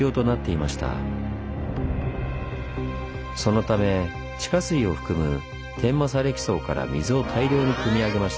そのため地下水を含む天満砂れき層から水を大量にくみ上げました。